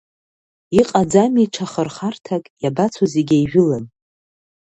Иҟаӡами ҽа хырхарҭак, иабацо зегь еижәылан?!